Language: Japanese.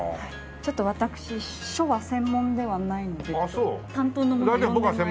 ちょっと私書は専門ではないので担当の者を呼んで参ります。